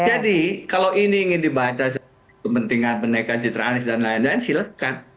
jadi kalau ini ingin dibaca sebagai kepentingan pendaikan jitra anies dan lain lain silahkan